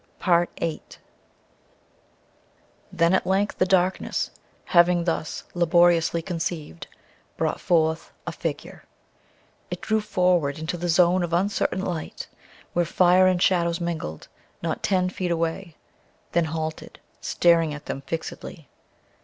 VIII Then at length the darkness, having thus laboriously conceived, brought forth a figure. It drew forward into the zone of uncertain light where fire and shadows mingled, not ten feet away; then halted, staring at them fixedly.